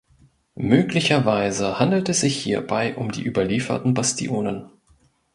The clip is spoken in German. Möglicherweise handelt es sich hierbei um die überlieferten Bastionen.